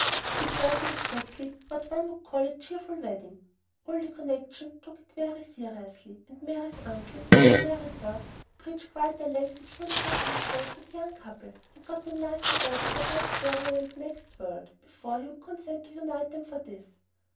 It wasn't exactly what one would call a cheerful wedding. All the connection took it very seriously; and Mary's uncle, who married her, preached quite a lengthy funeral discourse to the young couple, and got them nicely ready for death, burial, and the next world, before he would consent to unite them for this.